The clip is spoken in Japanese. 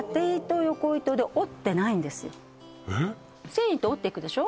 繊維って織っていくでしょ？